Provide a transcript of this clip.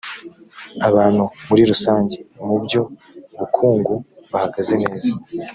abantu muri rusange mu byu ubukungu bahagaze neza